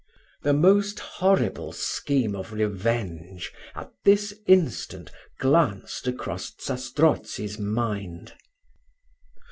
The most horrible scheme of revenge at this instant glanced across Zastrozzi's mind.